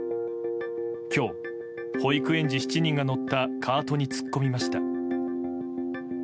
今日、保育園児７人が乗ったカートに突っ込みました。